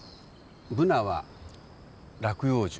ブナは落葉樹。